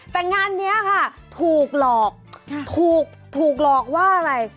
แต่งานนี้ค่ะถูกหลอกถูกหลอกว่าอะไร